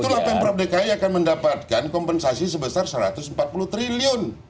itulah pemprov dki akan mendapatkan kompensasi sebesar satu ratus empat puluh triliun